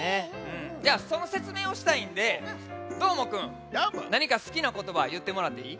じゃあそのせつめいをしたいんでどーもくんなにかすきなことばいってもらっていい？